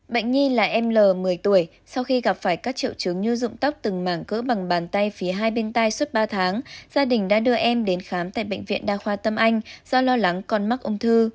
bệnh nhi là em l một mươi tuổi sau khi gặp phải các triệu chứng như dụng tóc từng mảng cỡ bằng bàn tay phía hai bên tay suốt ba tháng gia đình đã đưa em đến khám tại bệnh viện đa khoa tâm anh do lo lắng con mắc ung thư